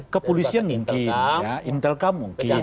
kepolisian mungkin intel kam mungkin